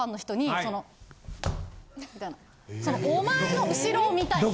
お前の後ろを見たいと。